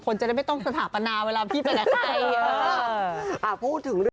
จะได้ไม่ต้องสถาปนาเวลาพี่ไปไหน